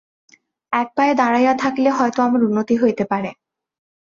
এক পায়ে দাঁড়াইয়া থাকিলে হয়তো আমার উন্নতি হইতে পারে।